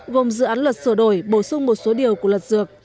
gồm dự án luật sửa đổi bổ sung một số điều của luật dược